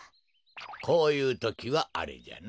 こういうときはあれじゃな。